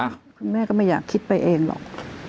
คุณแม่ก็ไม่อยากคิดไปเองหรอก